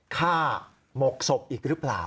หมกศพอีกหรือเปล่า